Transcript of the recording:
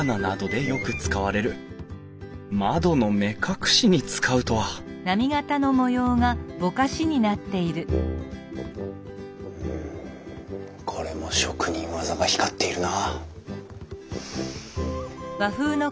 窓の目隠しに使うとはうんこれも職人技が光っているな。